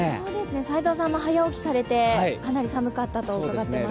齋藤さんも早起きされてかなり寒かったとうかがっています。